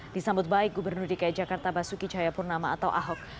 disambut baik gubernur dki jakarta basuki cahayapurnama atau ahok